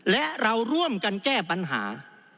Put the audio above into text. และเราร่วมกันแก้ปัญหา